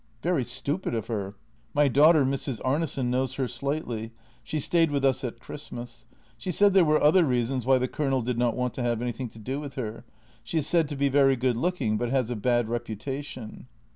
" Very stupid of her. My daughter, Mrs. Arnesen, kno ws her slightly — she stayed with us at Christmas. She said there were other reasons why the Colonel did not want to have any thing to do with her; she is said to be very good looking, but has a bad reputation."